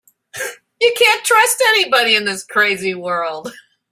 You can't trust anybody in this crazy world.